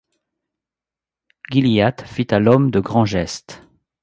Gilliatt fit à l’homme de grands gestes.